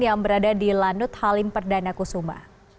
yang berada di lanut halim perdana kusuma